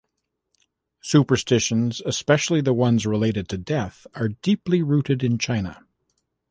Superstitions, especially the ones related to death, are deeply rooted in China.